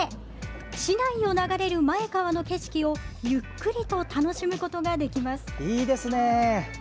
市内を流れる前川の景色をゆっくりと楽しむことができます。